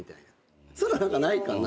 そういうのないかな？